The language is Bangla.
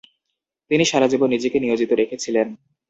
তিনি সারাজীবন নিজেকে নিয়োজিত রেখেছিলেন।